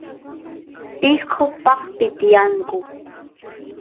pishqos paaqpi tiyanku